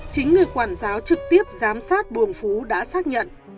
chính người quản giáo trực tiếp giám sát bùm phú đã xác nhận